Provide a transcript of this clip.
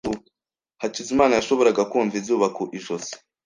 Hakizimana yashoboraga kumva izuba ku ijosi.